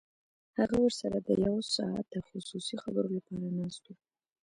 هغه ورسره د یو ساعته خصوصي خبرو لپاره ناست و